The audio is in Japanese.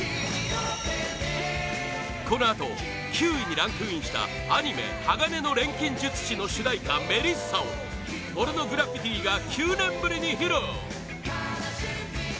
このあと９位にランクインしたアニメ「鋼の錬金術師」の主題歌「メリッサ」をポルノグラフィティが９年ぶりに披露！